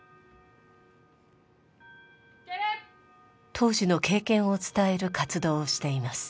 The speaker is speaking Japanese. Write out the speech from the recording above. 当時の経験を伝える活動をしています。